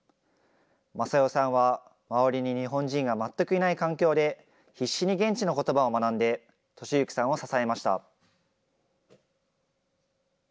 正代さんは周りに日本人がまったくいない環境で、必死に現地のことばを学んで、利之さんを支えました。